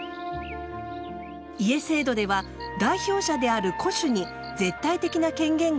家制度では代表者である「戸主」に絶対的な権限が与えられました。